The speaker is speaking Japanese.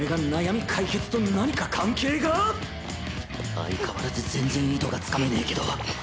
相変わらず全然意図がつかめねぇけどはぁ。